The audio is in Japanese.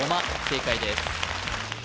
正解です